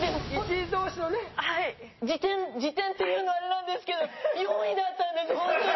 次点次点って言うのはあれなんですけど４位だったんですホントに！